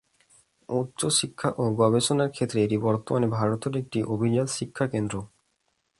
উচ্চশিক্ষা ও গবেষণার ক্ষেত্রে এটি বর্তমানে ভারতের একটি অভিজাত শিক্ষাকেন্দ্র।